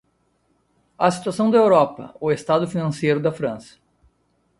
A situação da Europa - O estado financeiro da França